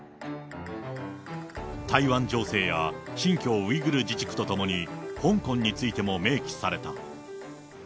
台湾情勢や、しんきょうウイグル自治区と共に香港についても明記された。